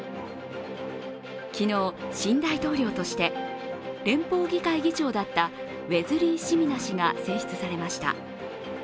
昨日、新大統領として連邦議会議長だったウェズリー・シミナ氏が選出されました。